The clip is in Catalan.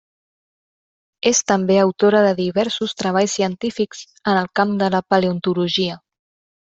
És també autora de diversos treballs científics en el camp de la paleontologia.